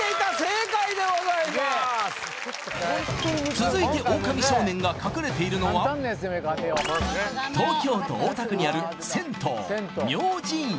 続いてオオカミ少年が隠れているのは東京都大田区にある銭湯